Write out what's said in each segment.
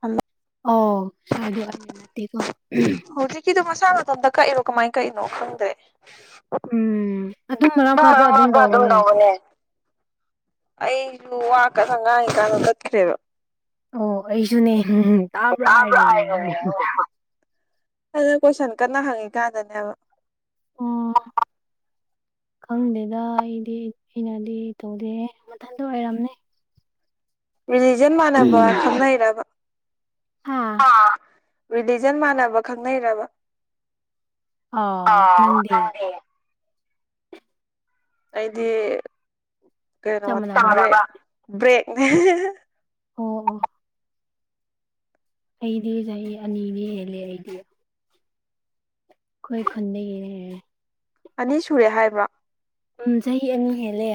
hello ꯑꯣ ꯁꯋꯥꯗꯣ ꯑꯩꯅ ꯅꯠꯇꯦꯀꯣ ꯍꯧꯖꯤꯛꯀꯤꯗꯣ ꯃꯁꯥ ꯃꯇꯊꯣꯝꯇ ꯀꯛꯏꯔꯣ ꯀꯃꯥꯏꯅ ꯀꯛꯏꯅꯣ ꯈꯪꯗ꯭ꯔꯦ ꯎꯝ ꯑꯗꯨꯝ ꯃꯔꯛ ꯃꯔꯛꯇ ꯃꯕꯨ ꯑꯗꯨꯝ ꯇꯧꯕꯅꯦ ꯇꯉꯅꯦ ꯑꯩꯁꯨ ꯋꯥꯀ ꯁꯪꯒꯥꯡꯒꯤꯀꯥꯟꯗꯒꯠꯈ꯭ꯔꯦꯕ ꯑꯣ ꯑꯩꯁꯨꯅꯦ ꯇꯥꯕ꯭ꯔꯥ ꯍꯥꯏꯔꯒꯅꯦ ꯑꯗꯨꯅ ꯀꯣꯏꯁꯟ ꯀꯟꯅ ꯍꯪꯉꯤꯀꯥꯟꯗꯅꯦꯕ ꯑꯣ ꯈꯪꯗꯦꯗ ꯑꯩꯗꯤ ꯑꯩꯅꯗꯤ ꯇꯧꯗꯦ ꯃꯊꯟꯇ ꯑꯣꯏꯔꯝꯅꯦ ꯔꯤꯂꯤꯖꯟ ꯃꯥꯟꯅꯕ ꯈꯪꯅꯩꯔꯕ ꯍꯥꯥ ꯔꯤꯂꯤꯖꯟ ꯃꯥꯟꯅꯕ ꯈꯪꯅꯩꯔꯕ ꯑ ꯑꯥꯎ ꯅꯪꯗꯤꯦ ꯅꯪꯗꯤ ꯑꯩꯗꯤ ꯀꯩꯅꯣ ꯆꯞ ꯃꯥꯟꯅꯕ꯭ꯔꯥ ꯕ꯭ꯔꯦꯛꯅꯦ ꯑꯣ ꯑꯣ ꯑꯩꯗꯤ ꯆꯍꯤ ꯑꯅꯤꯅꯤ ꯍꯦꯜꯂꯦ ꯑꯩꯗꯤ ꯑꯩꯣꯏ ꯈꯟꯗꯒꯤꯅꯦ ꯍꯥꯏ ꯑꯅꯤ ꯁꯨꯔꯦ ꯍꯥꯏꯕ꯭ꯔꯥ ꯎꯝ ꯆꯍꯤ ꯑꯅꯤ ꯍꯦꯜꯂꯦ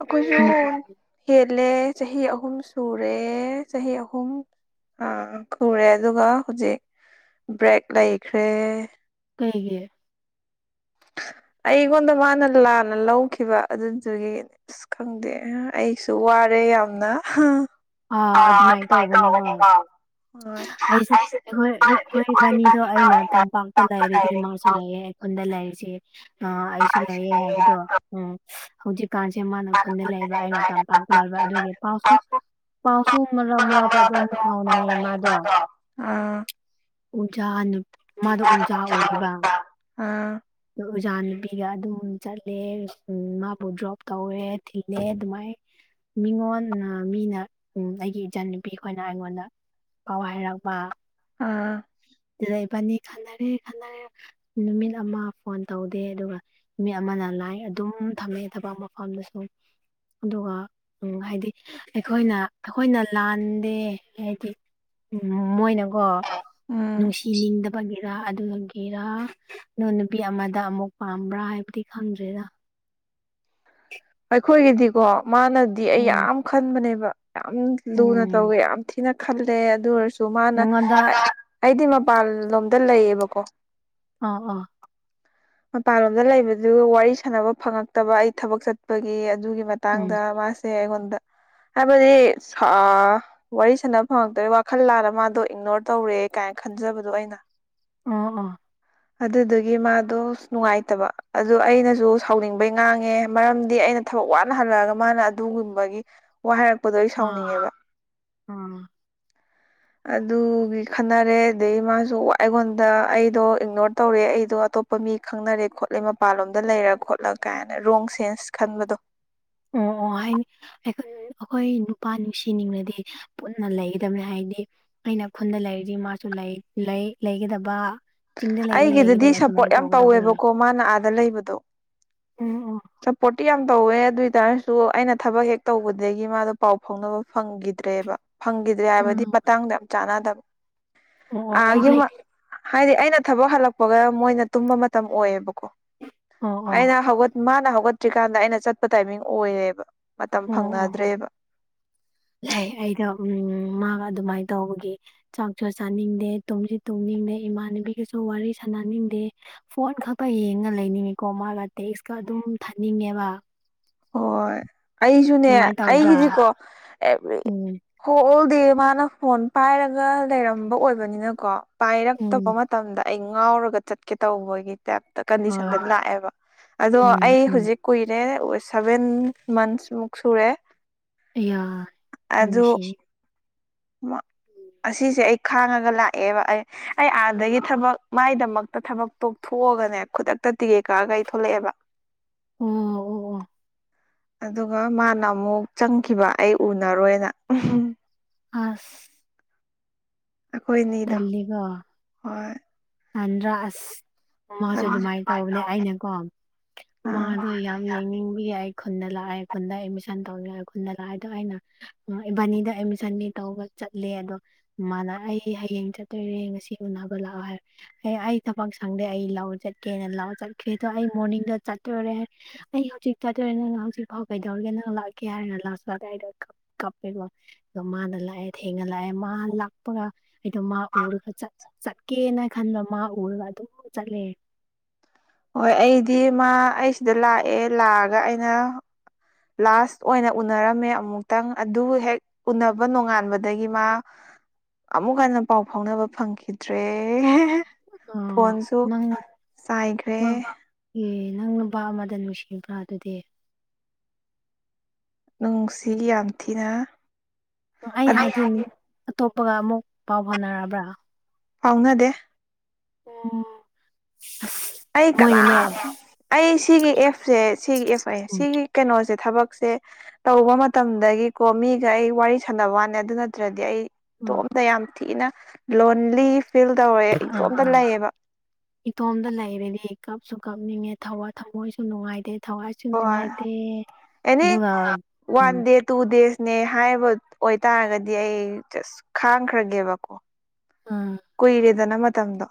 ꯑꯩꯈꯣꯏꯁꯨ ꯎꯝ ꯍꯦꯜꯂꯦ ꯆꯍꯤ ꯑꯍꯨꯝ ꯁꯨꯔꯦ ꯆꯍꯤ ꯑꯍꯨꯝ ꯑꯥ ꯈꯨꯔꯦ ꯑꯗꯨꯒ ꯍꯧꯖꯤꯛ ꯕ꯭ꯔꯦꯛ ꯂꯩꯈ꯭ꯔꯦ ꯀꯒꯤꯦ ꯑꯩꯉꯣꯟꯗ ꯃꯥꯅ ꯂꯥꯟꯅ ꯂꯧꯈꯤꯕ ꯑꯗꯨꯗꯨꯒꯤꯅꯦ ꯑꯁ ꯈꯪꯗꯦ ꯑꯩꯁꯨ ꯋꯥꯔꯦ ꯌꯥꯝꯅ ꯑ ꯑꯥ ꯑꯗꯨꯃꯥꯏꯅ ꯇꯧꯕꯧꯕꯅꯤꯉ ꯇꯧꯕꯅꯦꯀꯣ ꯍꯣꯏ ꯑꯩꯁꯨ ꯑꯩꯁꯨꯦꯣꯏ ꯍꯣꯏ ꯑꯩꯈꯣꯏ ꯏꯕꯥꯅꯤꯗꯣ ꯑꯩꯅ ꯇꯝꯄꯥꯛꯇ ꯇꯝꯄ ꯂꯩꯔꯗꯤ ꯂꯩꯔꯦ ꯏꯃꯥꯁꯨ ꯏꯅꯥꯎꯄꯥ ꯂꯩꯔꯦ ꯑꯣꯗ ꯂꯩ ꯍꯥꯏꯁꯤꯦ ꯑ ꯑꯩꯁꯨ ꯂꯩꯌꯦꯦ ꯍꯥꯏꯕꯗꯣ ꯎꯝ ꯍꯧꯖꯤꯛꯀꯥꯟꯁꯦ ꯃꯥꯅ ꯈꯨꯟꯗ ꯂꯩꯕ ꯑꯩꯅ ꯇꯝꯄꯥꯛꯇ ꯂꯩꯕ ꯑꯗꯨꯒꯤ ꯄꯥꯎꯁꯨ ꯄꯥꯎꯁꯁꯨ ꯃꯔ ꯃꯔ ꯑꯗꯨꯝ ꯐꯥꯎꯅꯥ ꯃꯥꯗ ꯃꯥꯗꯣ ꯎꯖꯥ ꯃꯥꯗ ꯑꯣꯖꯥ ꯑꯣꯏꯌꯦꯕ ꯑꯥ ꯑꯣꯖꯥ ꯅꯨꯄꯤꯒ ꯑꯗꯨꯝ ꯆꯠꯂꯦ ꯃꯥꯕꯨ ꯗ꯭ꯔꯣꯞ ꯇꯧꯋꯦ ꯊꯤꯜꯂꯦ ꯑꯗꯨꯃꯥꯏꯅ ꯃꯤꯉꯣꯟ ꯃꯤꯅ ꯎꯝ ꯑꯩꯒꯤ ꯏꯆꯟ ꯅꯨꯄꯤ ꯑꯩꯈꯣꯏꯅ ꯑꯩꯉꯣꯟꯗ ꯀꯥꯎ ꯍꯥꯏꯔꯛꯄ ꯑꯥ ꯂꯩꯕꯅꯤ ꯈꯟꯅꯔꯦ ꯈꯟꯅꯔꯦ ꯅꯨꯃꯤꯠ ꯑꯃ ꯐꯣꯟ ꯇꯧꯗꯦ ꯑꯗꯨꯒ ꯃꯤ ꯑꯃꯅ ꯂꯥꯏ ꯑꯗꯨꯝ ꯊꯝꯃꯛꯑꯦ ꯊꯕꯛ ꯃꯐꯝꯗꯁꯨ ꯑꯗꯨꯒ ꯎꯝ ꯍꯥꯏꯗꯤ ꯑꯩꯈꯣꯏꯅ ꯑꯩꯈꯣꯏꯅ ꯂꯥꯟꯗꯦ ꯍꯥꯏꯗꯤ ꯎꯝ ꯃꯣꯏꯅꯀꯣ ꯎꯝ ꯅꯨꯡꯁꯤꯅꯤꯡꯗꯕꯒꯤ ꯔ ꯑꯗꯨꯒꯒꯤꯦꯔꯥ ꯅ ꯅꯨꯄꯤ ꯑꯃꯗ ꯑꯃꯨꯛ ꯄꯥꯝꯕ꯭ꯔꯥ ꯍꯥꯏꯕꯗꯤ ꯈꯪꯗ꯭ꯦꯔꯥ ꯑꯩꯈꯣꯏꯒꯤꯗꯤꯀꯣ ꯃꯥꯅꯗꯤ ꯑꯩ ꯎꯝ ꯌꯥꯝ ꯈꯟꯕꯅꯦꯕ ꯌꯥꯝ ꯂꯨꯅ ꯎꯝ ꯇꯧꯋꯦ ꯌꯥꯝ ꯊꯤꯅ ꯈꯜꯂꯦ ꯑꯗꯨ ꯑꯣꯏꯔꯁꯨ ꯃꯥꯅ ꯃꯉꯣꯟꯗ ꯑꯩꯗꯤ ꯃꯄꯥꯟꯂꯣꯝꯗ ꯂꯩꯌꯦꯕꯀꯣ ꯑ ꯑꯣ ꯃꯄꯥꯟꯂꯣꯝꯗ ꯂꯩꯕꯗꯨ ꯋꯥꯔꯤ ꯁꯥꯟꯅꯕ ꯐꯪꯉꯛꯇꯕ ꯑꯩ ꯊꯕꯛ ꯆꯠꯄꯒꯤ ꯑꯗꯨꯒꯤ ꯎꯝ ꯃꯇꯥꯡꯗ ꯃꯥꯁ ꯉꯣꯟꯗ ꯍꯥꯏꯕꯗꯤ ꯁꯥ ꯋꯥꯔꯤ ꯁꯥꯟꯅꯕ ꯐꯪꯉꯛꯇꯣꯏ ꯋꯥꯈꯜ ꯂꯥꯂ ꯃꯥꯗꯣ ꯏꯒꯅꯣꯔ ꯇꯧꯔꯦ ꯀꯥꯏꯅ ꯈꯟꯖꯕꯗꯣ ꯑꯩꯅ ꯑꯣ ꯑꯣ ꯑꯗꯨꯗꯨꯒꯤ ꯃꯥꯗꯣ ꯅꯨꯡꯉꯥꯏꯇꯕ ꯑꯗꯨ ꯑꯩꯅꯁꯨ ꯁꯥꯎꯅꯤꯡꯕꯩ ꯉꯥꯡꯉꯦ ꯃꯔꯝꯗꯤ ꯑꯩꯅ ꯊꯕꯛ ꯋꯥꯅ ꯍꯜꯂꯛꯑꯒ ꯃꯥꯅ ꯑꯗꯨꯒꯨꯝꯕꯒꯤ ꯋꯥ ꯍꯥꯏꯔꯛꯄꯗꯣ ꯑꯩ ꯑꯥ ꯁꯥꯎꯅꯤꯡꯉꯦꯕ [unintelligible] ꯑꯗꯨꯒꯤ ꯈꯟꯅꯔꯦ ꯑꯗꯗꯒꯤ ꯃꯥꯁꯨ ꯑꯩꯉꯣꯟꯗ ꯑꯩꯗꯣ ꯏꯛꯅꯣꯔ ꯇꯧꯔꯦ ꯑꯩꯗꯣ ꯑꯇꯣꯞꯄ ꯃꯤ ꯈꯪꯅꯔꯦ ꯈꯣꯠꯂꯦ ꯃꯄꯥꯟꯂꯣꯝꯗ ꯂꯩꯔ ꯈꯣꯠꯂ ꯀꯥꯏꯅ ꯔꯣꯡ ꯁꯦꯟꯁ ꯈꯟꯕꯗꯣ ꯑꯣ ꯑꯣ ꯍꯥꯏꯅꯤ ꯑꯩꯈꯣꯏ ꯅꯨꯄꯥ ꯅꯨꯡꯁꯤꯅꯤꯡꯅꯗꯤ ꯄꯨꯟꯅ ꯂꯩꯒꯗꯕꯅꯦ ꯍꯥꯏꯗꯤ ꯑꯩꯅ ꯈꯨꯟꯗ ꯂꯩꯔꯤꯗꯤ ꯃꯥꯁꯨ ꯂꯩ ꯂꯩꯒꯗꯕ ꯆꯤꯡꯗ ꯂꯩꯅꯤ ꯑꯩꯒꯤꯗꯗꯤ ꯂꯩꯒꯗꯕ ꯁꯞꯄꯣꯔꯠ ꯑꯗꯨꯃꯥꯏꯅ ꯌꯥꯝ ꯇꯧꯒꯗꯕꯒꯤ ꯇꯧꯋꯦꯕꯀꯣ ꯃꯥꯅ ꯑꯥꯗ ꯂꯩꯕꯗꯣ ꯎꯝ ꯤ ꯌꯥꯝ ꯇꯧꯋꯦ ꯑꯗꯨꯏ ꯇꯥꯔꯁꯨ ꯑꯩꯅ ꯊꯕꯛ ꯍꯦꯛ ꯇꯧꯕꯗꯒꯤ ꯃꯥꯗꯣ ꯄꯥꯎ ꯐꯥꯎꯅꯕ ꯐꯪꯈꯤꯗ꯭ꯔꯦꯕ ꯐꯪꯈꯤꯗ꯭ꯔꯦ ꯍꯥꯏꯕꯗꯤ ꯃꯇꯥꯡꯗ ꯌꯥꯝ ꯆꯥꯟꯅꯗꯕ ꯑꯣ ꯑꯥꯒꯤ ꯑꯩꯗꯤ ꯍꯥꯏꯗꯤ ꯑꯩꯅ ꯊꯕꯛ ꯍꯜꯂꯛꯄꯒ ꯃꯣꯏꯅ ꯇꯨꯝꯕ ꯃꯇꯝ ꯑꯣꯏꯌꯦꯕꯀꯣ ꯑꯣ ꯑꯣ ꯑꯩꯅ ꯍꯧꯒꯠ ꯃꯥꯅ ꯍꯧꯒꯠꯇ꯭ꯔꯤꯀꯥꯟꯗ ꯑꯩꯅ ꯆꯠꯄ ꯇꯥꯏꯃꯤꯡ ꯑꯣꯏꯔꯦꯕ ꯃꯇꯝ ꯑꯣ ꯑꯣ ꯐꯪꯅꯗ꯭ꯔꯦꯕ ꯂꯩ ꯑꯩꯗ ꯎꯝ ꯃꯥꯒ ꯑꯗꯨꯃꯥꯏꯅ ꯇꯧꯕꯒꯤ ꯆꯥꯛ ꯆꯣ ꯆꯥꯅꯤꯡꯗꯦ ꯇꯨꯝꯁꯤ ꯇꯣꯡꯅꯤꯡꯗꯦ ꯏꯃꯥꯟꯅꯕꯤꯒꯁꯨ ꯋꯥꯔꯤ ꯁꯥꯟꯅꯅꯤꯡꯗꯦ ꯐꯣꯟ ꯈꯛꯛꯇ ꯌꯦꯡꯉ ꯂꯩꯅꯤꯡꯉꯤꯀꯣ ꯃꯥꯒ ꯇꯦꯛꯁꯀ ꯑꯗꯨꯝ ꯊꯥꯅꯤꯡꯉꯦꯕ ꯍꯣꯏ ꯑꯩꯁꯨꯅꯦ ꯑꯗꯨꯃꯥꯏꯅ ꯇꯧꯗ꯭ꯔꯥ ꯑꯩꯒꯤꯗꯤꯀꯣ ꯑꯦꯕ꯭ꯔꯤ ꯎꯝ ꯍꯣ ꯑꯣꯜ ꯗꯦ ꯃꯥꯅ ꯐꯣꯟ ꯄꯥꯏꯔꯒ ꯂꯩꯔꯝꯕ ꯑꯣꯏꯕꯅꯤꯅꯀꯣ ꯄꯥꯏꯔꯛꯇꯕ ꯎꯝ ꯃꯇꯝꯗ ꯑꯩ ꯉꯥꯎꯔꯒ ꯆꯠꯀꯦ ꯇꯧꯕꯒꯤ ꯀꯗꯤꯁꯟꯗ ꯍꯣꯏ ꯂꯥꯛꯑꯦꯕ ꯑꯗꯣ ꯎꯝ ꯑꯩ ꯎꯝ ꯍꯧꯖꯤꯛ ꯀꯨꯏꯔꯦ ꯁꯚꯦꯟ ꯃꯟꯁꯃꯨꯛ ꯁꯨꯔꯦ ꯌꯥ ꯑꯗꯨ ꯑꯁꯤꯁꯦ ꯑꯩ ꯈꯥꯡꯉꯒ ꯂꯥꯛꯑꯦꯕ ꯑꯩ ꯑꯩ ꯑꯥꯗꯒꯤ ꯑꯣ ꯊꯕꯛ ꯃꯥꯏꯗꯃꯛꯇ ꯊꯕꯛ ꯇꯣꯛꯊꯣꯛꯑꯒꯅꯦ ꯈꯨꯗꯛꯇ ꯇꯤꯀꯦꯠ ꯀꯛꯑꯒ ꯑꯩ ꯊꯣꯛꯂꯛꯑꯦꯕ ꯑꯣ ꯑꯣ ꯑꯣ ꯑꯗꯨꯒ ꯃꯥꯅ ꯑꯃꯨꯛ ꯆꯪꯈꯤꯕ ꯑꯩ ꯎꯅꯔꯣꯏꯅ ꯑꯁ ꯑꯩꯈꯣꯏ ꯑꯅꯤꯗꯣ ꯍꯣꯏ ꯑꯟꯗ꯭ꯔꯥ ꯑꯁ ꯑꯃꯁꯁꯨ ꯑꯗꯨ ꯑꯗꯨꯃꯥꯏꯅ ꯇꯧꯕꯅꯦ ꯑꯩꯅꯀꯣ ꯑꯥ ꯃꯥꯗꯣ ꯌꯥꯝ ꯌꯦꯡꯅꯤꯡꯕ ꯌꯥꯏ ꯑꯩ ꯈꯨꯟꯗ ꯂꯥꯛꯑꯦ ꯈꯨꯟꯗ ꯑꯦꯗꯃꯤꯁꯟ ꯇꯧꯅꯤꯡꯦ ꯈꯨꯟꯗ ꯂꯥꯛꯑꯦꯗꯣ ꯑꯩꯅ ꯏꯕꯥꯅꯤꯗ ꯑꯦꯗꯃꯤꯁꯟꯅꯤ ꯇꯧꯕ ꯆꯠꯂꯦ ꯑꯗꯣ ꯃꯥꯅ ꯑꯩ ꯍꯌꯦꯡ ꯆꯠꯇꯣꯏꯔꯦ ꯉꯁꯤ ꯎꯅꯕ ꯂꯥꯛꯑꯣ ꯍꯥꯏꯔ ꯑꯦ ꯑꯩ ꯊꯕꯛ ꯁꯪꯗꯦ ꯑꯩ ꯂꯥꯎ ꯆꯠꯀꯦꯅ ꯂꯥꯎ ꯆꯠꯈ꯭ꯔꯦ ꯑꯗꯣ ꯑꯩ ꯃꯣꯔꯅꯤꯡꯗꯣ ꯆꯠꯇꯣꯔꯦ ꯑꯩ ꯍꯧꯖꯤꯛ ꯆꯥꯗꯣꯏꯔꯦ ꯅꯪꯅ ꯍꯧꯖꯤꯛꯐꯥꯎ ꯀꯩꯗꯧꯔꯒꯦ ꯅꯪ ꯂꯥꯛꯀꯦ ꯍꯥꯏꯔꯅ ꯂꯥꯛꯄ ꯑꯗꯨꯋꯥꯏꯗ ꯀꯞꯄꯦꯀꯣ ꯑ ꯃꯥꯅ ꯂꯥꯛꯑꯦ ꯊꯦꯡꯅ ꯂꯥꯛꯑꯦ ꯃꯥ ꯂꯥꯛ ꯀꯄꯒ ꯑꯩꯗꯣ ꯃꯥ ꯎꯔꯒ ꯆꯠꯀꯦꯅ ꯈꯟꯕ ꯃꯥ ꯎꯔꯒ ꯑꯗꯨꯝ ꯆꯠꯂꯦ ꯍꯣꯏ ꯑꯩꯗꯤ ꯃꯥ ꯑꯩꯁꯤꯗ ꯂꯥꯛꯑꯦ ꯂꯥꯛꯑꯒ ꯑꯩꯅ ꯂꯥꯁ ꯑꯣꯏꯅ ꯎꯅꯔꯝꯃꯦ ꯑꯃꯨꯛꯇꯪ ꯑꯗꯨ ꯍꯦꯛ ꯎꯅꯕ ꯅꯣꯉꯥꯟꯕꯗꯒꯤ ꯃꯥ ꯑꯃꯨꯛ ꯍꯟꯅ ꯄꯥꯎ ꯐꯥꯎꯅꯕ ꯐꯪꯈꯤꯗ꯭ꯔꯦ ꯑ ꯐꯣꯟꯁꯨ ꯅꯪ ꯆꯥꯏꯈ꯭ꯔꯦ ꯅꯪ ꯑꯦ ꯅꯪ ꯅꯨꯄꯥ ꯑꯃꯗ ꯅꯨꯡꯁꯤꯕ꯭ꯔꯥ ꯑꯗꯨꯗꯤ ꯅꯨꯡꯁꯤ ꯌꯥꯝ ꯊꯤꯅ ꯑꯩ ꯍꯥꯏꯗꯤꯅꯤ ꯑꯇꯣꯞꯄꯒ ꯑꯃꯨꯛ ꯄꯥꯎ ꯐꯥꯎꯅꯔꯕ꯭ꯔꯥ ꯄꯥꯎꯅꯗꯦ ꯑꯣ ꯑꯩ ꯀꯅꯥ ꯑꯩ ꯁꯤꯒꯤ ꯑꯦꯞꯁꯦ ꯁꯤꯒꯤ ꯑꯦꯞ ꯑꯣꯏ ꯎꯝ ꯁꯤꯒꯤ ꯀꯩꯅꯣꯁꯦ ꯊꯕꯛꯁꯦ ꯇꯧꯕ ꯃꯇꯝꯗꯒꯤꯀꯣ ꯃꯤꯒ ꯑꯩ ꯋꯥꯔꯤ ꯁꯥꯟꯅꯕꯅꯤ ꯑꯗꯨ ꯅꯠꯇ꯭ꯔꯗꯤ ꯑꯩ ꯏꯇꯣꯝꯇ ꯌꯥꯝ ꯊꯤꯅ ꯂꯣꯟꯂꯤ ꯐꯤꯜ ꯇꯧꯔꯦ ꯑꯥ ꯏꯇꯣꯝꯇ ꯑꯥ ꯂꯩꯌꯦꯕ ꯏꯇꯣꯝꯗ ꯂꯩꯔꯗꯤ ꯀꯞꯁꯨ ꯀꯞꯅꯤꯡꯉꯦ ꯊꯋꯥ ꯊꯃꯣꯏꯁꯨ ꯅꯨꯡꯉꯥꯏꯇꯦ ꯊꯋꯥꯏꯁꯨ ꯍꯣꯏ ꯅꯨꯡꯉꯥꯏꯇꯦ ꯑꯦꯅꯤ ꯑꯗꯨꯒ ꯎꯝ ꯋꯥꯟ ꯗꯦ ꯇꯨ ꯗꯦꯖꯅꯦ ꯍꯥꯏꯕ ꯑꯣꯏꯇꯥꯔꯒꯗꯤ ꯑꯩ ꯆꯁ ꯈꯥꯡꯈ꯭ꯔꯒꯦꯕꯀꯣ ꯎꯝ ꯀꯨꯏꯔꯦꯗꯅ ꯃꯇꯝꯗꯣ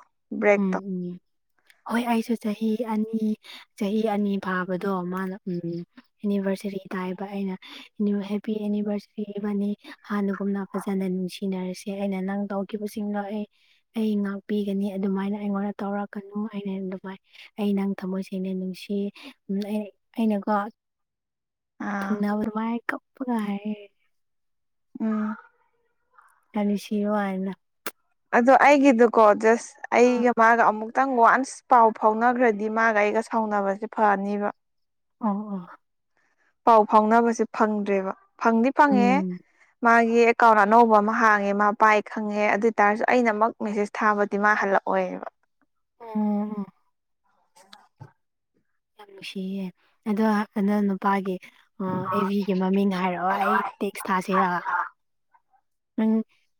ꯎꯝ ꯕ꯭ꯔꯦꯛꯇꯣ ꯎꯝ ꯍꯣꯏ ꯑꯩꯁꯨ ꯆꯍꯤ ꯑꯅꯤ ꯆꯍꯤ ꯑꯅꯤ ꯐꯥꯕꯗꯣ ꯃꯥꯅ ꯎꯝ ꯑꯦꯅꯤꯚꯔꯁꯔꯤ ꯇꯥꯏꯕ ꯑꯩꯅ ꯍꯦꯄꯤ ꯑꯦꯅꯤꯚꯔꯁꯔꯤ ꯃꯅꯤ ꯍꯥꯟꯅꯒꯨꯝꯅ ꯐꯖꯅ ꯅꯨꯡꯁꯤꯅꯔꯁꯦ ꯑꯩꯅ ꯅꯪ ꯇꯧꯈꯤꯕꯁꯤꯡꯗꯣ ꯑꯩ ꯑꯩ ꯉꯥꯛꯄꯤꯒꯅꯤ ꯑꯗꯨꯃꯥꯏꯅ ꯑꯩꯉꯣꯟꯗ ꯇꯧꯔꯛꯀꯅꯨ ꯑꯩꯅ ꯑꯗꯨꯃꯥꯏꯅ ꯑꯩ ꯅꯪ ꯊꯝꯃꯣꯏ ꯁꯦꯡꯅ ꯅꯨꯡꯁꯤ ꯑꯩꯅꯀꯣ ꯑꯥ ꯊꯨꯅꯥꯕ ꯃꯥꯑ ꯀꯞꯄꯒꯑ ꯎꯝ ꯑꯅꯤ ꯁꯤꯣ ꯍꯥꯏꯅ ꯑꯗꯣ ꯑꯩꯒꯤꯗꯨꯀꯣ ꯖꯁ ꯑꯥ ꯑꯩꯒ ꯃꯥꯒ ꯑꯃꯨꯛ ꯈꯤꯇꯪ ꯋꯥꯟꯁ ꯄꯥꯎ ꯐꯥꯎꯅꯈ꯭ꯔꯗꯤ ꯃꯥꯒ ꯑꯩꯒ ꯁꯥꯎꯅꯕꯁꯦ ꯐꯅꯤꯕ ꯑꯣ ꯑꯣ ꯄꯥꯎ ꯐꯥꯎꯅꯕꯁꯦ ꯐꯪꯗ꯭ꯔꯦꯕ ꯐꯪꯗꯤ ꯐꯪꯉꯦ ꯎꯝ ꯃꯥꯒꯤ ꯑꯦꯀꯥꯎꯟ ꯑꯅꯧꯕ ꯑꯃ ꯍꯥꯡꯉꯦ ꯃꯥ ꯄꯥꯏ ꯈꯪꯉꯦ ꯑꯗꯨ ꯑꯣꯏꯇꯥꯥꯔꯁꯨ ꯑꯩꯅꯃꯛ ꯃꯦꯁꯦꯁ ꯊꯥꯕꯗꯤ ꯃꯥ ꯍꯜꯂꯛꯑꯣꯏꯕ ꯑꯣ ꯌꯥꯝ ꯅꯨꯡꯁꯤꯌꯦ ꯑꯗꯣ ꯀꯗꯣ ꯅꯨꯄꯥꯒꯤ ꯑꯣ ꯑꯦꯚꯤꯒꯤ ꯃꯃꯤꯡ ꯍꯥꯏꯔꯛꯑꯣ ꯑꯩ ꯇꯦꯛꯁ ꯊꯥꯖꯔꯛ ꯅꯪ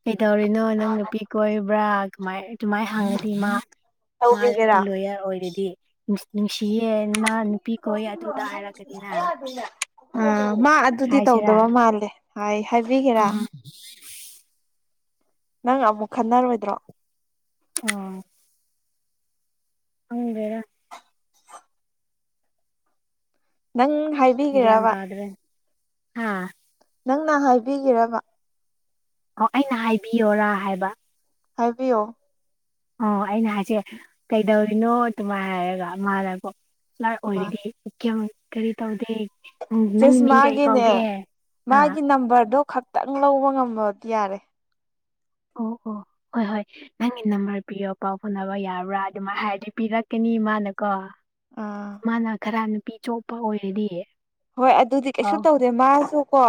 ꯀꯩꯇꯧꯔꯤꯅꯣ ꯅꯪ ꯅꯨꯄꯤ ꯀꯣꯏꯕ꯭ꯔꯥ ꯀꯃꯥꯏ ꯑꯗꯨꯃꯥꯏꯅ ꯍꯪꯉꯗꯤ ꯏ ꯃꯥ ꯃꯥ ꯇꯧꯕꯤꯒꯦꯔꯥ ꯂꯣꯌꯔ ꯑꯣꯏꯔꯗꯤ ꯅꯨꯡꯁꯤꯌꯦ ꯃꯥ ꯅꯨꯄꯤ ꯀꯣꯏ ꯑꯗꯨꯗ ꯍꯥꯏꯔꯒꯅꯤꯅꯦ ꯑ ꯃꯥ ꯑꯗꯨꯗꯤ ꯇꯧꯗꯕ ꯃꯥꯜꯂꯦ ꯍꯥꯏ ꯍꯥꯏꯕꯤꯒꯦꯔꯥ ꯑꯣ ꯅꯪ ꯑꯃꯨꯛ ꯈꯟꯅꯔꯣꯏꯗ꯭ꯔꯣ ꯑꯣ ꯍꯗ ꯅꯪ ꯍꯥꯏ ꯒꯤꯗꯗ꯭ꯔꯦ ꯍꯥ ꯅꯪꯅ ꯍꯥꯏꯕꯤꯒꯔꯕ ꯑꯣ ꯑꯩꯅ ꯍꯥꯏꯕꯤꯌꯔꯥ ꯍꯥꯏꯕ ꯍꯥꯏꯕꯤꯌꯣ ꯑꯣ ꯑꯩꯅ ꯍꯥꯏꯁꯦ ꯀꯩꯗꯧꯔꯤꯅꯣ ꯑꯗꯨꯃꯥꯏꯅ ꯍꯥꯏꯔꯒ ꯃꯥꯅꯀꯣ ꯂꯔ ꯑꯣꯏꯔꯤꯗꯤ ꯀꯌꯥꯝ ꯀꯔꯤ ꯇꯧꯗꯦ ꯎꯝ ꯅꯪꯒꯤ ꯖꯁ ꯃꯤꯡ ꯀꯩ ꯃꯥꯒꯤꯅꯦ ꯀꯧꯒꯦ ꯑꯥ ꯃꯥꯒꯤ ꯅꯝꯕꯔꯗꯣ ꯈꯛꯇꯪ ꯂꯧꯕ ꯉꯃꯗꯤ ꯌꯥꯔꯦ ꯑꯣ ꯑꯣ ꯍꯣꯏ ꯍꯣꯏ ꯅꯪꯒꯤ ꯅꯝꯕꯔ ꯄꯤꯌꯣ ꯄꯥꯎ ꯐꯥꯎꯅꯕ ꯌꯥꯕ꯭ꯔꯥ ꯑꯗꯨꯃꯥꯏꯅ ꯍꯥꯏꯔꯗꯤ ꯄꯤꯔꯛꯀꯅꯤ ꯏ ꯃꯥꯥꯅ ꯀꯣ ꯑꯥ ꯃꯥꯅ ꯈꯔ ꯅꯨꯄꯤ ꯑ ꯆꯣꯣꯛꯄ ꯑꯣꯏꯔꯗꯤ ꯍꯣꯏ ꯑꯗꯨꯗꯤ ꯀꯩꯁꯨ ꯄꯥꯎ ꯇꯧꯗꯦ ꯃꯥꯁꯨ ꯀꯣ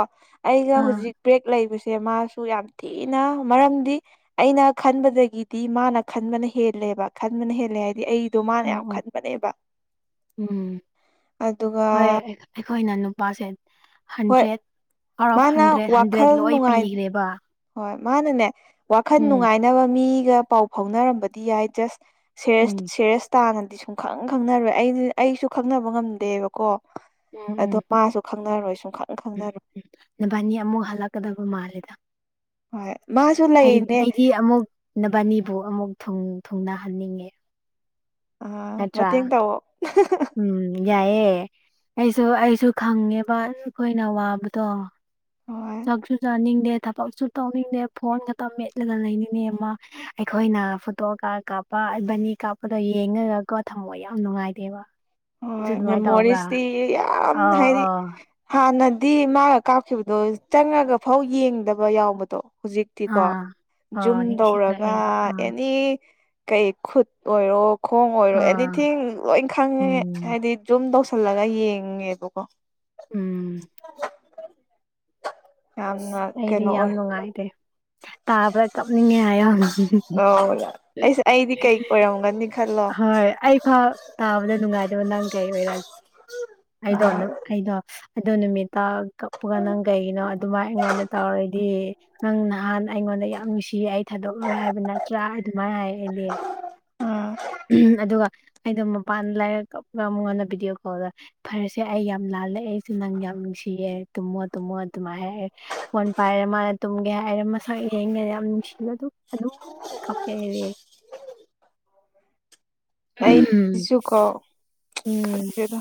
ꯑꯩꯒ ꯑꯥ ꯍꯧꯖꯤꯛ ꯕ꯭ꯔꯦꯛ ꯂꯩꯕꯁꯦ ꯃꯥꯁꯨ ꯌꯥꯝ ꯊꯤꯅ ꯃꯔꯝꯗꯤ ꯑꯩꯅ ꯈꯟꯕꯗꯒꯤꯗꯤ ꯃꯥꯅ ꯈꯟꯕꯅ ꯍꯦꯜꯂꯦꯕ ꯈꯟꯕꯅ ꯍꯦꯜꯂꯦ ꯍꯥꯏꯗꯤ ꯑꯩ ꯑꯗꯨ ꯃꯥꯅ ꯑꯣ ꯌꯥꯝ ꯑꯣ ꯈꯟꯕꯅꯦꯕ ꯎꯝ ꯑꯗꯨꯒ ꯍꯣꯏ ꯑꯩꯈꯣꯏꯅ ꯅꯨꯄꯥꯁꯦ ꯍꯣꯏ ꯍꯟꯗ꯭ꯔꯦꯠ ꯑꯥꯎꯠ ꯑꯣꯐ ꯃꯥꯅ ꯍꯟꯗ꯭ꯔꯦꯠ ꯋꯥꯈꯜ ꯍꯟꯗ꯭ꯔꯦꯠ ꯂꯣꯏ ꯅꯨꯡꯉꯥꯏ ꯄꯤꯈ꯭ꯔꯦꯕ ꯍꯣꯏ ꯃꯥꯅꯅꯦ ꯋꯥꯈꯜ ꯎꯝ ꯅꯨꯡꯉꯥꯏꯅꯕ ꯃꯤꯒ ꯄꯥꯎ ꯐꯥꯎꯅꯔꯝꯕꯗꯤ ꯌꯥꯏ ꯖꯁ ꯎꯝ ꯁꯦꯔꯦꯁ ꯁꯦꯔꯦꯁ ꯇꯥꯅꯗꯤ ꯁꯨꯝ ꯈꯪ ꯈꯪꯅꯔꯣꯏ ꯑꯩꯗꯤ ꯑꯩꯁꯨ ꯈꯪꯅꯕ ꯉꯝꯗꯦꯕꯀꯣ ꯎꯝ ꯎꯝ ꯑꯗꯣ ꯃꯥꯁꯨ ꯈꯪꯅꯔꯣꯏ ꯁꯨꯝ ꯈꯪ ꯎꯝ ꯈꯪꯅꯔꯣꯏ ꯎꯝ ꯅꯕꯥꯅꯤ ꯑꯃꯨꯛ ꯍꯜꯂꯛꯀꯗꯕ ꯃꯥꯜꯂꯦꯗ ꯍꯣꯏ ꯃꯥꯁꯨ ꯂꯩꯅꯦ ꯑꯩꯗꯤ ꯑꯃꯨꯛ ꯅꯕꯥꯅꯤꯕꯨ ꯑꯃꯨꯛ ꯊꯨꯡꯅꯍꯟꯅꯤꯡꯉꯦ ꯑ ꯅꯠꯇ꯭ꯔꯥ ꯃꯇꯦꯡ ꯇꯧꯑꯣ ꯎꯝ ꯌꯥꯏꯑꯦ ꯑꯩꯁꯨ ꯑꯩꯁꯨ ꯈꯪꯉꯦꯕ ꯑꯩꯈꯣꯏꯅ ꯋꯥꯕꯗꯣ ꯍꯣꯏ ꯆꯛꯁꯨ ꯆꯅꯤꯅꯤꯡ ꯗꯦ ꯊꯕꯛꯁꯨ ꯇꯧꯅꯤꯡꯅꯦꯦ ꯐꯣꯟ ꯈꯛꯇ ꯃꯦꯠꯂꯒ ꯂꯩꯅꯤꯡꯅꯦ ꯑꯃ ꯑꯩꯈꯣꯏꯅ ꯐꯣꯇꯣ ꯀꯥꯞ ꯀꯥꯞ ꯄꯥ ꯕꯅꯤ ꯀꯥꯞꯄꯗꯣ ꯌꯦꯡꯉꯒꯀꯣ ꯊꯝꯃꯣ ꯌꯥꯝ ꯅꯨꯡꯉꯥꯏꯇꯦꯕ ꯅꯪꯁꯨ ꯍꯣꯏ ꯑꯗꯨꯃꯥꯏꯅ ꯇꯧꯕ꯭ꯔꯥ ꯃꯦꯃꯣꯔꯤꯁꯇꯤ ꯌꯥꯝ ꯑꯧ ꯍꯥꯏꯗꯤ ꯑꯧ ꯍꯥꯟꯅꯗꯤ ꯃꯥꯒ ꯀꯥꯞꯈꯤꯕꯗꯣ ꯆꯪꯉꯒ ꯐꯥꯎ ꯌꯦꯡꯗꯕ ꯌꯥꯎꯕꯗꯣ ꯍꯧꯖꯤꯛ ꯇꯤꯀꯣ ꯑꯥ ꯑꯣ ꯖꯨꯝ ꯇꯧꯔꯒ ꯅꯤꯡꯁꯤꯡꯂꯛꯑꯦ ꯑꯥ ꯑꯦꯅꯤ ꯀꯩ ꯈꯨꯠ ꯑꯣꯏꯔꯣ ꯈꯣꯡ ꯑꯣꯏꯔꯣ ꯑꯥ ꯑꯦꯅꯤꯊꯤꯡ ꯂꯣꯏ ꯈꯪꯉꯦ ꯎꯝ ꯗꯤ ꯖꯨꯝ ꯇꯧꯁꯜꯂꯒ ꯌꯦꯡꯉꯦꯕꯀꯣ ꯎꯝ ꯌꯥꯝꯅ ꯑꯩꯗꯤ ꯀꯩꯅꯣ ꯌꯥꯝ ꯑꯣꯏ ꯅꯨꯡꯉꯥꯏꯇꯦ ꯇꯥꯕ ꯀꯅꯤꯡꯉꯌꯣ ꯑꯧ ꯑꯩꯁ ꯑꯩꯗꯤ ꯀꯩ ꯑꯣꯏꯔꯝꯒꯅꯤ ꯈꯜꯂꯣ ꯍꯣꯏ ꯑꯩ ꯐ ꯇꯥꯕꯗ ꯅꯨꯡꯉꯥꯏꯗꯕ ꯅꯪ ꯀꯩ ꯑꯣꯏꯔꯛꯒꯦ ꯑꯩꯗꯣ ꯑꯥ ꯑꯩꯗꯣ ꯑꯗꯣ ꯅꯨꯃꯤꯠꯇ ꯀꯛꯄꯒ ꯅꯪ ꯀꯩꯒꯤꯅꯣ ꯑꯗꯨꯃꯥꯏ ꯑꯩꯉꯣꯟꯗ ꯇꯧꯔꯗꯤ ꯅꯪ ꯅꯍꯥꯟ ꯑꯩꯉꯣꯟꯗ ꯌꯥꯝ ꯅꯨꯡꯁꯤꯌꯦ ꯑꯩ ꯊꯥꯗꯣꯛꯂꯣꯏ ꯍꯥꯏꯕ ꯅꯠꯇ ꯆ ꯑꯗꯨꯃꯥꯏꯅ ꯍꯥꯏ ꯑꯩꯅꯦ ꯑꯗꯨꯒ ꯑꯩꯗꯣ ꯃꯄꯥꯟꯗ ꯂꯥꯏꯔ ꯀꯞꯒ ꯑꯃꯨꯛꯣꯟꯗ ꯚꯤꯗꯤꯑꯣ ꯀꯣꯜꯗ ꯐꯔꯁꯦ ꯑꯩ ꯌꯥꯝ ꯂꯥꯜꯂꯛꯑꯦꯁꯦ ꯅꯪ ꯌꯥꯝ ꯅꯨꯡꯁꯤꯌꯦꯦ ꯇꯨꯝꯃꯣ ꯇꯨꯝꯃꯣ ꯑꯗꯨꯃꯥꯏ ꯍꯥꯏꯔꯦ ꯐꯣꯟ ꯄꯥꯏꯔꯦ ꯃꯥꯅ ꯇꯨꯝꯒꯦ ꯍꯥꯏꯔꯦ ꯃꯁꯛ ꯏꯔꯦꯡꯉ ꯌꯥꯝ ꯅꯨꯡꯁꯤꯕ ꯑꯗꯨ ꯑꯗꯨ ꯀꯄꯦꯦ ꯎꯝ ꯑꯩꯁꯨ ꯀꯣ ꯎꯝ ꯈꯪꯗꯦꯗ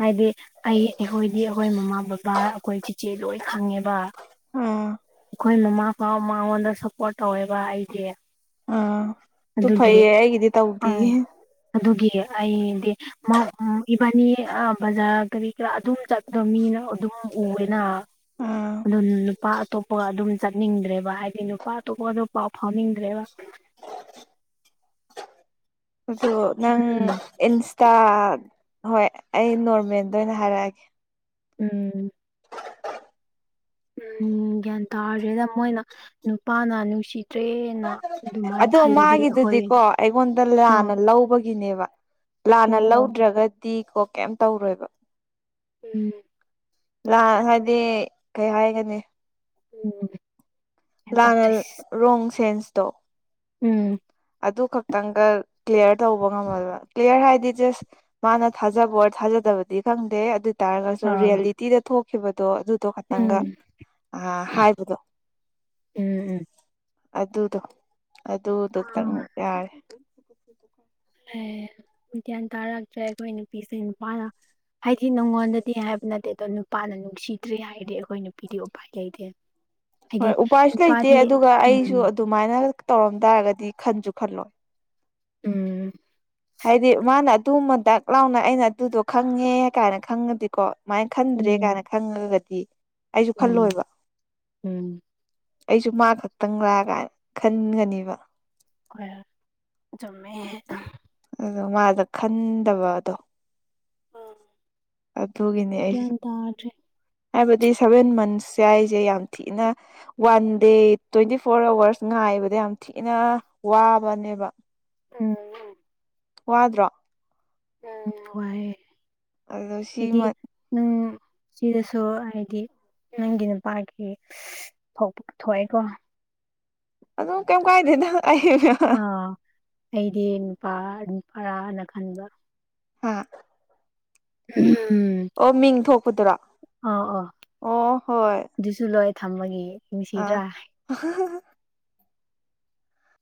ꯍꯥꯏꯗꯤ ꯑꯩ ꯑꯩꯈꯣꯏꯗꯤ ꯑꯩꯈꯣꯏ ꯃꯃꯥ ꯕꯕꯥ ꯑꯩꯈꯣꯏ ꯆꯤꯆꯦ ꯂꯣꯏ ꯈꯪꯉꯦꯕ ꯑꯥ ꯑꯩꯈꯣꯏ ꯃꯃꯥ ꯄ ꯃꯉꯣꯟꯗ ꯁꯞꯄꯣꯔꯠ ꯇꯧꯋꯦꯕ ꯑꯩꯁꯦ ꯇꯨ ꯐꯩꯦ ꯍꯦꯒꯗꯤꯦ ꯇꯧꯗꯤ ꯑꯪ ꯑꯗꯨꯒꯤ ꯑꯩꯗꯤ ꯏꯕꯥꯅꯤ ꯑꯥ ꯕꯖꯥꯔ ꯀꯔꯤ ꯀꯔꯥ ꯑꯗꯨꯝ ꯆꯠꯄꯗꯣ ꯃꯤꯅ ꯑꯗꯨꯝ ꯎꯋꯦꯅ ꯑꯥ ꯑꯗꯨ ꯅꯨꯄꯥ ꯑꯇꯣꯞꯄꯒ ꯑꯗꯨꯝ ꯆꯠꯅꯤꯡꯗ꯭ꯔꯦꯕ ꯍꯥꯏꯗꯤ ꯅꯨꯄꯥ ꯑꯇꯣꯞꯄꯒ ꯑꯗꯨ ꯄꯥꯎ ꯐꯥꯎꯅꯤꯡꯗ꯭ꯔꯦꯕ ꯑꯗꯨ ꯅꯪ ꯎꯝ ꯏꯟꯁꯇꯥ ꯍꯣꯏ ꯑꯩ ꯅꯣꯔꯃꯦꯜꯗ ꯑꯣꯏꯅ ꯍꯥꯏꯔꯛꯑꯒꯦ ꯎꯝ ꯎꯝ ꯒ꯭ꯌꯥꯟ ꯇꯥꯔꯗ꯭ꯔꯦꯗ ꯃꯣꯏꯅ ꯅꯨꯄꯥꯅ ꯅꯨꯡꯁꯤꯠ ꯑꯣ ꯑꯩꯈꯣꯏ ꯃꯥꯒꯤꯗꯨꯗꯤꯀꯣ ꯑꯩꯉꯣꯟꯗ ꯎꯝ ꯂꯥꯟꯅ ꯂꯧꯕꯒꯤꯅꯦꯕ ꯑꯣ ꯂꯥꯟꯅ ꯑꯣ ꯂꯧꯗ꯭ꯔꯒꯗꯤ ꯀꯣ ꯀꯩꯝ ꯇꯧꯔꯣꯏꯕ ꯎꯝ ꯂꯥꯟ ꯍꯥꯏꯗꯤ ꯀꯩ ꯍꯥꯏꯒꯅꯤ ꯎꯝ ꯒ꯭ꯌꯥꯟ ꯂꯥꯟꯅ ꯇꯥꯗ꯭ꯔꯦ ꯔꯣꯡ ꯁꯦꯟꯁꯇꯣ ꯎꯝ ꯑꯗꯨ ꯈꯛꯇꯪꯒ ꯀ꯭ꯂꯤꯌꯥꯂꯤꯌꯥꯔ ꯇꯧꯕ ꯉꯝꯃꯕ ꯀ꯭ꯂꯤꯌꯥꯌꯔ ꯍꯥꯏꯗꯤ ꯖꯁ ꯃꯥꯅ ꯊꯥꯖꯕ ꯑꯣꯏꯔ ꯊꯥꯖꯗꯕꯗꯤ ꯈꯪꯗꯦ ꯑꯗꯨ ꯍꯥꯏꯇꯥꯔꯒꯁꯨ ꯎꯝ ꯔꯤꯌꯦꯂꯤꯇꯤꯗ ꯊꯣꯛꯈꯤꯕꯗꯣ ꯑꯗꯨꯗꯣ ꯈꯇꯪꯒ ꯍꯥꯏꯕꯗꯣ ꯎꯝ ꯑꯗꯨꯗꯣ ꯑꯗꯨꯗꯨꯇꯪ ꯌꯥꯔꯦ ꯑꯦ ꯒ꯭ꯌꯥꯟ ꯇꯥꯔꯛꯇ꯭ꯔꯦ ꯑꯩꯈꯣꯏ ꯅꯨꯄꯤꯁꯦ ꯅꯨꯄꯥꯅ ꯍꯥꯏꯗꯤ ꯅꯪꯉꯣꯟꯗꯗꯤ ꯍꯥꯏꯕ ꯅꯠꯇꯦ ꯑꯗꯣ ꯅꯨꯄꯥꯅ ꯅꯨꯡꯁꯤꯗ꯭ꯔꯦ ꯍꯥꯏꯔꯗꯤ ꯑꯩꯈꯣꯏ ꯅꯨꯄꯤꯗꯤ ꯎꯄꯥ ꯂꯩꯗꯦ ꯍꯣꯏ ꯎꯄꯥꯏꯁꯨ ꯂꯩꯇꯦ ꯑꯗꯨꯒ ꯎꯝ ꯑꯩꯁꯨ ꯑꯗꯨꯃꯥꯏꯅ ꯇꯧꯔꯝ ꯇꯥꯔꯒꯗꯤ ꯈꯟꯁꯨ ꯈꯜꯂꯣꯏ ꯎꯝ ꯍꯥꯏꯗꯤ ꯃꯥꯅ ꯑꯗꯨ ꯃ ꯗꯥꯛ ꯂꯥꯎꯅ ꯑꯩꯅ ꯑꯗꯨꯗꯣ ꯈꯪꯉꯦ ꯀꯥꯏꯅ ꯈꯪꯉꯗꯤꯀꯣ ꯁꯨꯃꯥꯏꯅ ꯈꯟꯗ꯭ꯔꯦ ꯎꯝ ꯀꯥꯏꯅ ꯈꯪꯉꯒꯗꯤ ꯑꯩꯁꯨ ꯎꯝ ꯈꯜꯂꯣꯏꯕ ꯎꯝ ꯑꯩꯁꯨ ꯃꯥ ꯈꯛꯇꯪ ꯂꯥꯛꯑ ꯀꯥꯏꯅ ꯈꯟꯒꯅꯦꯕ ꯑꯩꯈꯣꯏ ꯆꯃꯦꯃꯦ ꯑꯗꯣ ꯃꯥꯗ ꯈꯟꯗꯕꯗꯣ ꯎꯝ ꯑꯗꯨꯒꯤꯅꯦ ꯑꯩꯁꯤ ꯒ꯭ꯌꯥꯟ ꯇꯥꯗ꯭ꯔꯦ ꯍꯥꯏꯕꯗꯤ ꯁꯚꯦꯟ ꯃꯟꯁꯁꯦ ꯑꯩꯁꯦ ꯌꯥꯝ ꯊꯤꯅ one day twenty four hours ꯉꯥꯏꯕꯗ ꯌꯥꯝ ꯊꯤꯅ ꯋꯥꯕꯅꯦꯕ ꯎꯝ ꯋꯥꯗ꯭ꯔꯣ ꯎꯝ ꯍꯏꯦ ꯑꯗꯣ ꯍꯥꯏꯗꯤ ꯁꯤꯃ ꯅꯪ ꯁꯤꯗꯁꯨ ꯍꯥꯏꯗꯤ ꯅꯪꯒꯤ ꯅꯨꯄꯥꯒꯤ ꯐ ꯊꯣꯛꯑꯦꯀꯣ ꯑꯗꯨꯝ ꯀꯩꯝ ꯀꯥꯏꯗꯦ ꯅꯪ ꯑꯩ ꯑꯥ ꯑꯩꯗꯤ ꯅꯨꯄꯥ ꯅꯨꯄꯥꯔꯅ ꯈꯟꯕ ꯍꯥꯝ ꯎꯝ ꯑꯣ ꯃꯤꯡ ꯊꯣꯛꯄꯗꯨꯔꯣ ꯑꯣ ꯑꯣ ꯑꯣ ꯍꯣꯏ ꯑꯗꯨꯁꯨ ꯂꯣꯏ ꯊꯝꯕꯒꯤ ꯅꯨꯡꯁꯤꯗ꯭ꯔꯥ ꯑꯍ